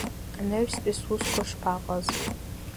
Анаҩстәи сусқәа шԥаҟаз?